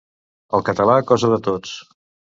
El català, cosa de tots.